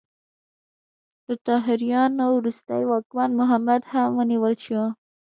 د طاهریانو وروستی واکمن محمد هم ونیول شو.